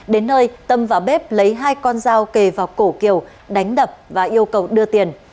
đến nơi tâm và bếp lấy hai con dao kề vào cổ kiều đánh đập và yêu cầu đưa tiền